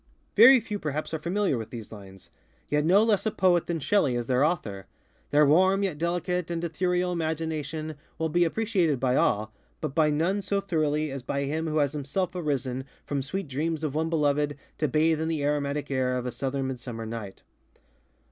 Very few perhaps are familiar with these linesŌĆöyet no less a poet than Shelley is their author. Their warm, yet delicate and ethereal imagination will be appreciated by all, but by none so thoroughly as by him who has himself arisen from sweet dreams of one beloved to bathe in the aromatic air of a southern midsummer night.